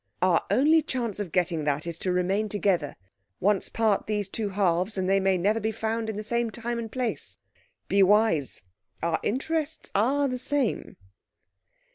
Our only chance of getting that is to remain together. Once part these two halves and they may never be found in the same time and place. Be wise. Our interests are the same."